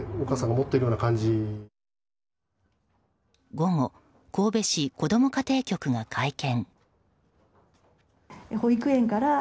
午後、神戸市こども家庭局が会見。